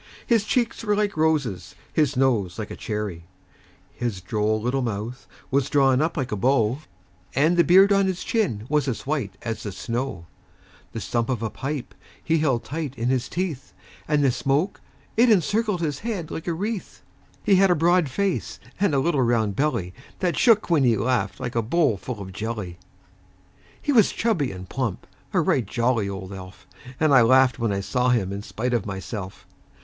His cheeks were like roses, his nose like a cherry; His droll little mouth was drawn up like a bow, And the beard on his chin was as white as the snow; The stump of a pipe he held tight in his teeth, And the smoke, it encircled his head like a wreath. He had a broad face, and a little round belly That shook when he laughed, like a bowl full of jelly. He was chubby and plump a right jolly old elf; And I laughed when I saw him in spite of myself.